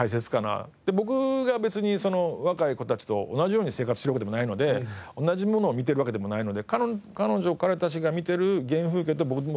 僕が別に若い子たちと同じように生活してるわけでもないので同じものを見てるわけでもないので彼女彼たちが見てる原風景と僕のものは全然違うので。